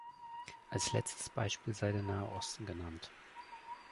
Als letztes Beispiel sei der Nahe Osten genannt.